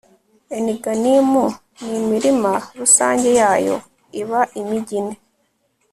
eniganimu n'imirima rusange yayo: iba imigi ine